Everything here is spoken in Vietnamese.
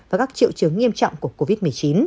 và các triệu chứng nghiêm trọng của covid một mươi chín